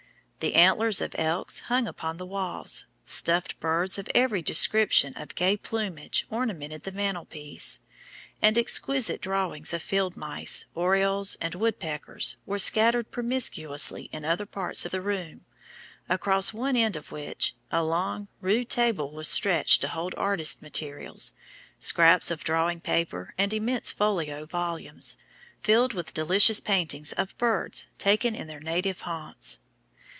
The antlers of elks hung upon the walls; stuffed birds of every description of gay plumage ornamented the mantel piece; and exquisite drawings of field mice, orioles, and woodpeckers, were scattered promiscuously in other parts of the room, across one end of which a long, rude table was stretched to hold artist materials, scraps of drawing paper, and immense folio volumes, filled with delicious paintings of birds taken in their native haunts.